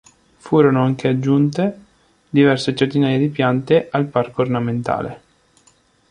Furono anche aggiunte diverse centinaia di piante al parco ornamentale.